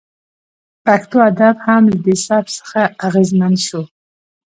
پښتو ادب هم له دې سبک څخه اغیزمن شو